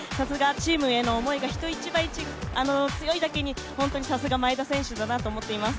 チームへの思いが人一倍強いだけに、本当にさすが前田選手だなと思っています。